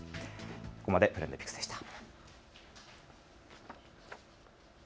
ここまでＴｒｅｎｄＰｉｃｋｓでした。